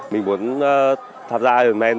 mình muốn tham gia ironman